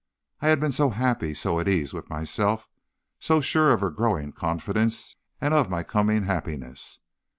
I had been so happy, so at ease with myself, so sure of her growing confidence and of my coming happiness.